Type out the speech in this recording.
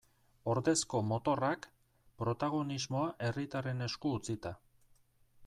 Ordezko motorrak, protagonismoa herritarren esku utzita.